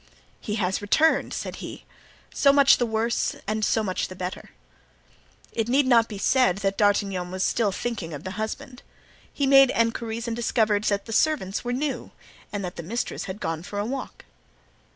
"He has returned," said he. "So much the worse, and so much the better!" It need not be said that D'Artagnan was still thinking of the husband. He made inquiries and discovered that the servants were new and that the mistress had gone for a walk.